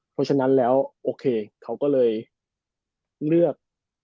เพราะฉะนั้นแล้วโอเคเขาก็เลยเลือก